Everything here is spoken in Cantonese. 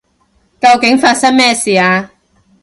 究竟發生咩事啊？